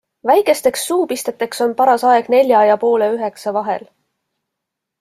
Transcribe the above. Väikesteks suupisteteks on paras aeg nelja ja poole üheksa vahel.